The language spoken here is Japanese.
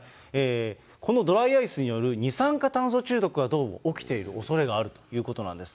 このドライアイスによる二酸化炭素中毒が、どうも起きているおそれがあるということなんです。